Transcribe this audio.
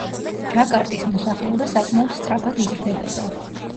ჯაკარტის მოსახლეობა საკმაოდ სწრაფად იზრდებოდა.